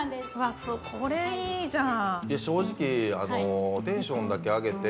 これいいじゃん。